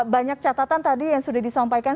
banyak catatan tadi yang sudah disampaikan